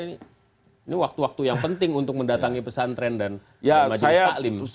ini waktu waktu yang penting untuk mendatangi pesantren dan majelis taklim